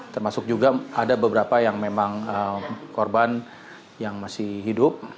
termasuk juga ada beberapa yang memang korban yang masih hidup